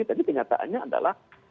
jadi tadi kenyataannya adalah